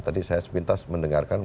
tadi saya sepintas mendengarkan